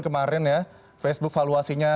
kemarin ya facebook valuasinya